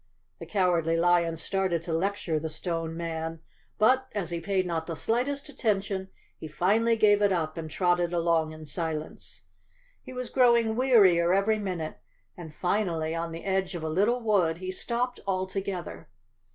The Cowardly Lion started to lecture the Stone Man, but, as he paid not the slightest attention, he finally gave 265 The Cowardly Lion of Oz _ it up and trotted along in silence. He was growing wearier every minute, and finally on the edge of a lit¬ tle wood he stopped altogether.